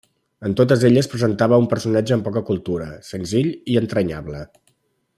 En totes elles representava un personatge amb poca cultura, senzill i entranyable.